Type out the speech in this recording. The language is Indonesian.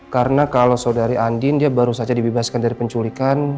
karena kalau saudari andin dia baru saja dibibaskan dari penculikan